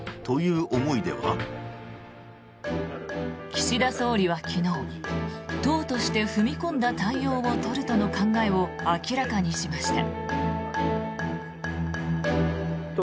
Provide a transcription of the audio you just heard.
岸田総理は昨日党として踏み込んだ対応を取るとの考えを明らかにしました。